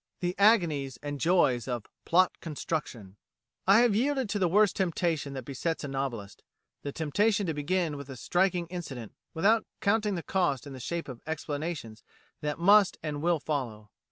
The Agonies and Joys of "Plot Construction" "I have yielded to the worst temptation that besets a novelist the temptation to begin with a striking incident without counting the cost in the shape of explanations that must and will follow.